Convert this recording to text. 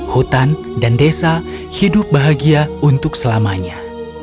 hutan dan desa hidup bahagia untuk selamanya